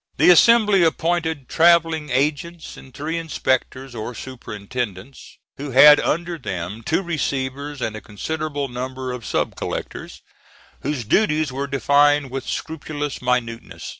The assembly appointed travelling agents and three inspectors or superintendents, who had under them two receivers and a considerable number of sub collectors, whose duties were defined with scrupulous minuteness.